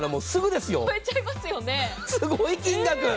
すごい金額。